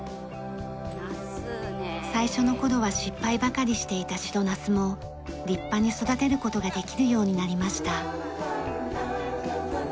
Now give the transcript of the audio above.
最初の頃は失敗ばかりしていた白ナスも立派に育てる事ができるようになりました。